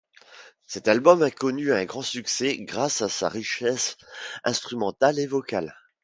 Cet album a connu un grand succès grâce à sa richesse instrumentale et vocale.